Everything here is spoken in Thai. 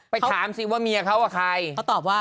ไปถามซิว่าเมียเค้าต่อไปใคร